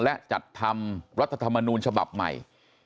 และจัดทำรัฐธรรมนูญฉบับใหม่